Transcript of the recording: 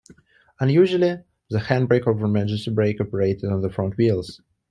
Unusually, the handbrake or emergency brake operated on the front wheels.